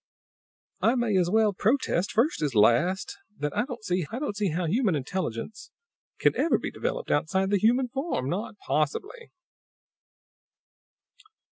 "I may as well protest, first as last, that I don't see how human intelligence can ever be developed outside the human form. Not possibly!"